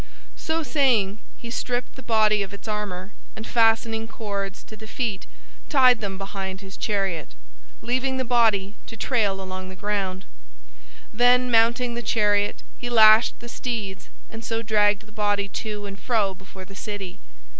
So saying he stripped the body of its armor, and fastening cords to the feet tied them behind his chariot, leaving the body to trail along the ground. Then mounting the chariot he lashed the steeds and so dragged the body to and fro before the city.